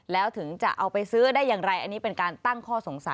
แล้วถึงจะเอาไปซื้อได้อย่างไรอันนี้เป็นการตั้งข้อสงสัย